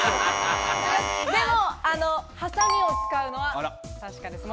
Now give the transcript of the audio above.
でもハサミを使うのは確かです。